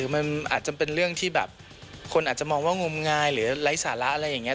มันอาจจะเป็นเรื่องที่แบบคนอาจจะมองว่างมงายหรือไร้สาระอะไรอย่างนี้